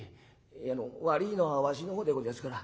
あの悪いのはわしの方でごぜえやすから。